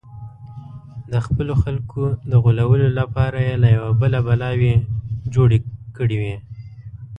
د خپلو خلکو د غولولو لپاره یې له یوه بله بلاوې جوړې کړې وې.